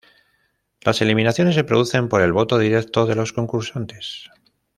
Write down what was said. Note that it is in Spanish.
Las eliminaciones se producen por el voto directo de los concursantes.